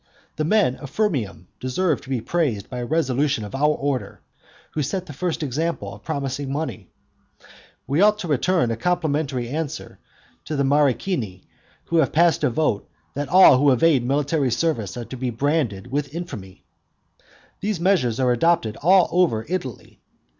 The men of Firmium deserve to be praised by a resolution of our order, who set the first example of promising money; we ought to return a complimentary answer to the Marrucini, who have passed a vote that all who evade military service are to be branded with infamy. These measures are adopted all over Italy.